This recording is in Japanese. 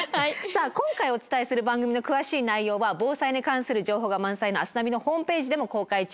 今回お伝えする番組の詳しい内容は防災に関する情報が満載の「明日ナビ」のホームページでも公開中です。